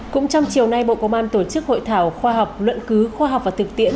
cũng trong chiều nay bộ công an tổ chức hội thảo khoa học luận cứ khoa học và thực tiễn